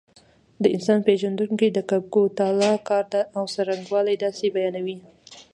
د انسان پېژندونکي د کګوتلا کار او څرنګوالی داسې بیانوي.